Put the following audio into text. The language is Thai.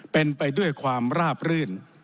เป็นไปด้วยความราบรื่น